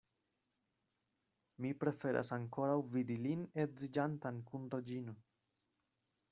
Mi preferas ankoraŭ vidi lin edziĝantan kun Reĝino.